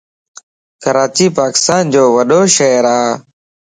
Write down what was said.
ڪراچي پاڪستانءَ جو وڏو شھر ا